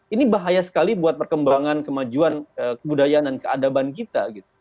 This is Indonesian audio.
ini bahaya sekali buat perkembangan kemajuan kebudayaan dan keadaban kita